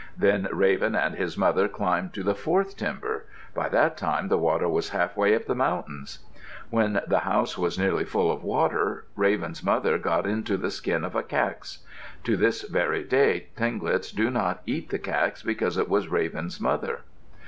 Then Raven and his mother climbed to the fourth timber; by that time the water was half way up the mountains. When the house was nearly full of water, Raven's mother got into the skin of a cax. To this very day Tlingits do not eat the cax because it was Raven's mother.